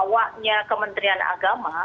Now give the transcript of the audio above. awaknya kementerian agama